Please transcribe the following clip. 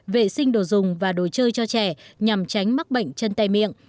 vệ sinh đồ dùng và đồ chơi cho trẻ nhằm tránh mắc bệnh chân tay miệng